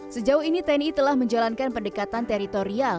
sejauh ini tni telah menjalankan pendekatan teritorial